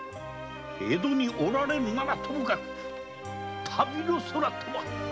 江戸におられるならともかく旅の空とは！